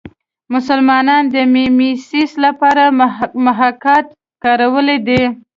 مسلمانانو د میمیسیس لپاره محاکات کارولی دی